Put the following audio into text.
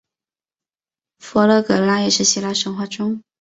佛勒格拉也是希腊神话中。